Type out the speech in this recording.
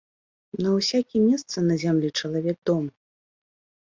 На ўсякім месцы на зямлі чалавек дома.